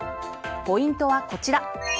ポイントはこちら。